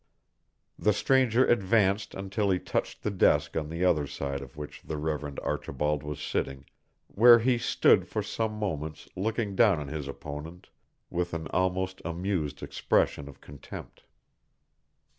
The stranger advanced until he touched the desk on the other side of which the Reverend Archibald was sitting, where he stood for some moments looking down on his opponent with an almost amused expression of contempt.